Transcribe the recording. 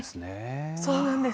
そうなんです。